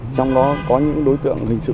trong đó có những đối tượng hình sự